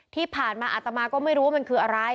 ที่ผ่านมาอาตมาก็ไม่รู้ว่ามันคืออะไร